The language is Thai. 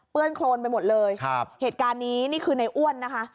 เปื้อนโคลนไปหมดเลยเหตุการณ์นี้นี่คือในอ้วนนะคะ